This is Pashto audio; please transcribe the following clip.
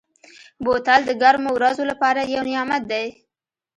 بوتل د ګرمو ورځو لپاره یو نعمت دی.